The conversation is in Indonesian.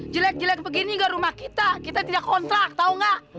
jelek jelek begini enggak rumah kita kita tidak kontrak tau enggak